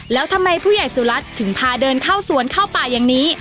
แล้วทำไมผู้ใหญ่สุรัตน์ถึงพาเดินเข้าสวนเข้าป่าอย่างนี้